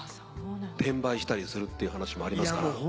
転売したりするっていう話もありますから。